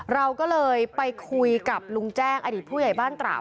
เราก็เลยไปคุยกับลุงแจ้งอดีตผู้ใหญ่บ้านตราบ